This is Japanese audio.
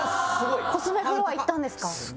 コスメフロア行ったんですか？